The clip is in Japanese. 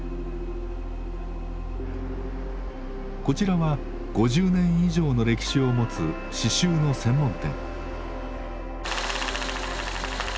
こちらは５０年以上の歴史を持つ刺しゅうの専門店。